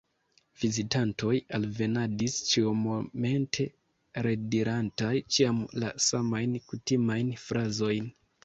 Vizitantoj alvenadis ĉiumomente, redirantaj ĉiam la samajn kutimajn frazojn.